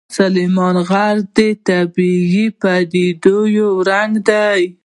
سلیمان غر د طبیعي پدیدو یو رنګ دی.